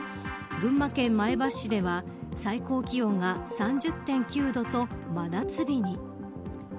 群馬県前橋市では最高気温が３０．９度と真夏日に。